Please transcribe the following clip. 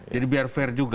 jadi biar fair juga